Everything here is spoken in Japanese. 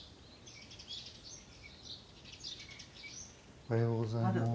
おはようございます。